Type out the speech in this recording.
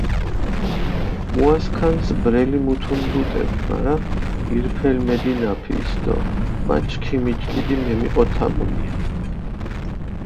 მუასქანს ბრელი მუთუნ დუტებ, მარა ირფელი მედინაფჷ ის დო მა ჩქიმი ჭკიდი მემიჸოთამუნია.